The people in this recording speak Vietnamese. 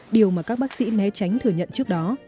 điều mà các bác sĩ né tránh thừa nhận trước đó